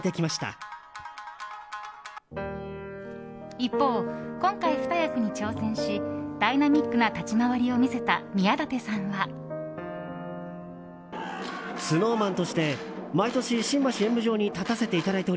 一方、今回２役に挑戦しダイナミックな立ち回りを見せた宮舘さんは。と、コメント。